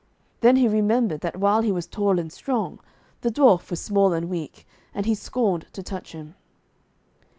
Then he remembered that while he was tall and strong, the dwarf was small and weak, and he scorned to touch him.